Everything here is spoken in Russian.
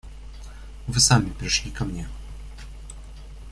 Вы сами пришли ко мне.